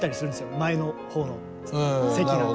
前の方の席の方。